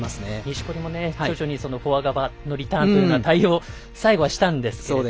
錦織も徐々にフォア側のリターン対応、最後はしたんですが。